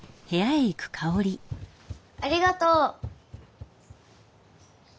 ありがとう。